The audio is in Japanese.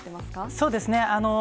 そうですね。